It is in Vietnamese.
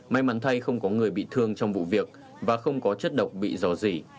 may mắn thay không có người bị thương trong vụ việc và không có chất độc bị dò dỉ